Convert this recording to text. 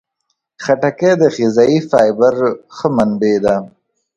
خټکی د غذايي فایبر ښه منبع ده.